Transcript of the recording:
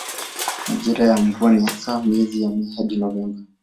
Majira ya mvua ni hasa miezi ya Mei hadi Novemba.